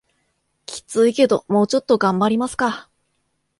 キツいけどもうちょっと頑張りますか